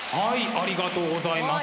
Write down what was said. ありがとうございます。